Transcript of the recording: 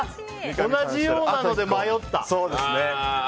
同じようなので迷った。